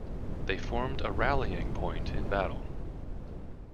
They formed a rallying point in battle.